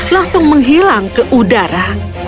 langsung menghilang ke udara